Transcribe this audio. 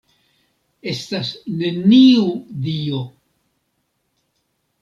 Estas neniu Dio!